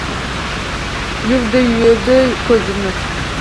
Yuvdi yuzi-ko‘zini